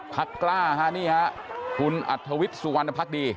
พักกล้าคุณอัทธวิทย์สุวรรณภักดี